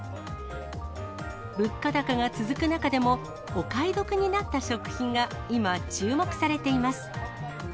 物価高が続く中でも、お買い得になった食品が、今、注目されています。